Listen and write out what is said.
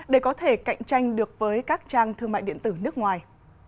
để có thể cạnh tranh được với các trang thương mại điện tử nước ngoài